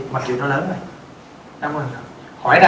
mặc dù nó lớn rồi đúng không ạ